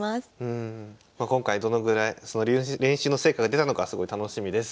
今回どのぐらいその練習の成果が出たのかすごい楽しみです。